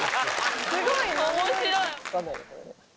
すごい。面白い。